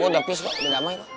gue udah peace kok udah damai kok